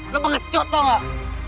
lo pengecut tau gak